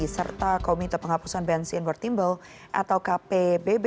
serta komite penghapusan bensin wartimbel atau kpbb